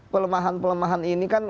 pelemahan pelemahan ini kan